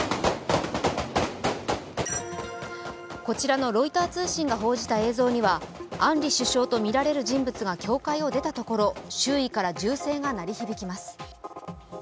こちらのロイター通信が報じた映像には、アンリ首相とみられる人物が教会を出たところ、周囲から銃声が鳴り響きます。